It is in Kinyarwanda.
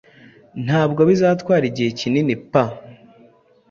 Ntabwo bizatwara igihe kininipa